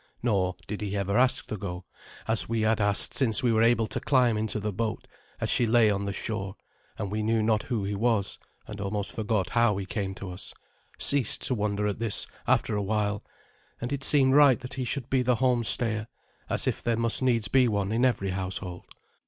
Nor did he ever ask to go, as we had asked since we were able to climb into the boat as she lay on the shore; and we who knew not who he was, and almost forgot how he came to us, ceased to wonder at this after a while; and it seemed right that he should be the home stayer, as if there must needs be one in every household.